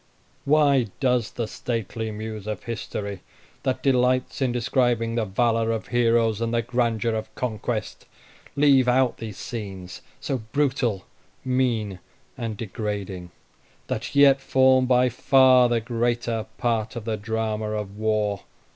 Why does the stately Muse of History, that delights in describing the valor of heroes and the grandeur of conquest, leave out these scenes, so brutal, mean, and degrading, that yet form by far the greater part of the drama of war?